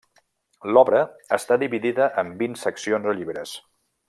L'obra està dividida en vint seccions o llibres.